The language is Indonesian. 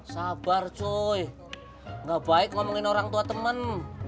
sabar coy nggak baik ngomongin orang tua temen